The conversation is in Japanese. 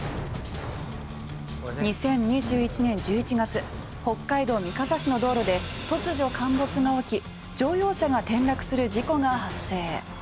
２０２１年１１月北海道三笠市の道路で突如陥没が起き乗用車が転落する事故が発生。